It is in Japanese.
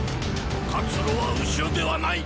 活路は後ろではない！